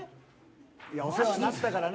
お世話になったからね。